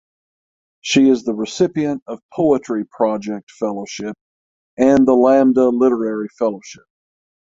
She is the recipient of Poetry Project fellowship and the Lambda Literary fellowship.